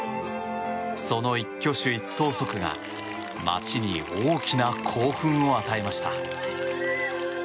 その一挙手一投足が街に大きな興奮を与えました。